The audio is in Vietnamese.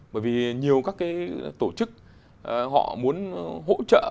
bởi vì nhiều các cái tổ chức họ muốn hỗ trợ